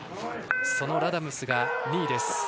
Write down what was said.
そのラダムスが２位です。